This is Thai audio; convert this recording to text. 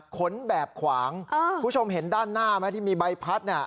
ขนแบบขวางคุณผู้ชมเห็นด้านหน้าไหมที่มีใบพัด